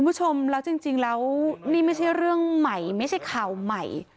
คุณผู้ชมแล้วจริงแล้วนี่ไม่ใช่เรื่องใหม่ไม่ใช่ข่าวใหม่